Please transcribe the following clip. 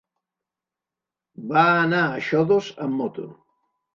Va anar a Xodos amb moto.